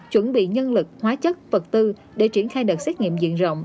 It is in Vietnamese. chuẩn bị nhân lực hóa chất vật tư để triển khai đợt xét nghiệm diện rộng